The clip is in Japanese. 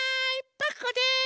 パクこです。